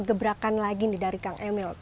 gebrakan lagi nih dari kang emil